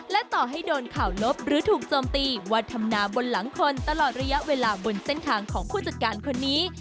และต่อให้โดนข่าวลบหรือถูกโจมตีว่าทำนาบนหลังคนตลอดระยะเวลาบนเส้นทางของผู้จัดการคนนี้